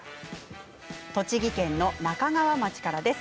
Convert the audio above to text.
栃木県の那珂川町からです。